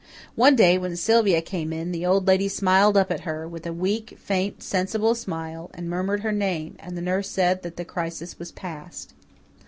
One day, when Sylvia came in, the Old Lady smiled up at her, with a weak, faint, sensible smile, and murmured her name, and the nurse said that the crisis was past.